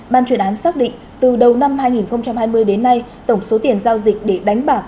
ban chuyển án xác định từ đầu năm hai nghìn hai mươi đến nay tổng số tiền giao dịch để đánh bạc